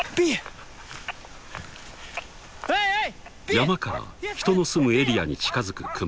［山から人の住むエリアに近づくクマ］